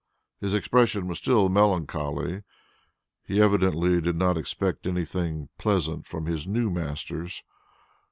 His expression was still melancholy; he evidently did not expect anything pleasant from his new masters.